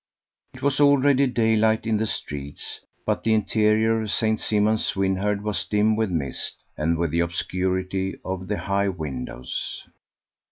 It was already daylight in the streets, but the interior of St. Simon Swynherde was dim with mist and with the obscurity of the high windows.